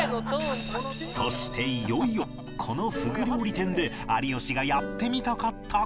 そしていよいよこのふぐ料理店で有吉がやってみたかった事が